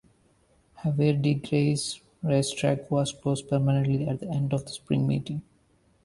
Havre de Grace Racetrack was closed permanently at the end of the spring meeting.